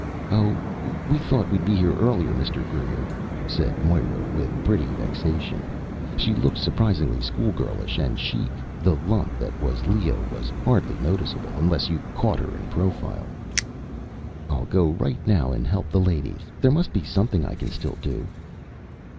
"Oh, we thought we'd be earlier, Mr. Greer," said Moira with pretty vexation. She looked surprisingly schoolgirlish and chic; the lump that was Leo was hardly noticeable unless you caught her in profile. "I'll go right now and help the ladies. There must be something I can still do."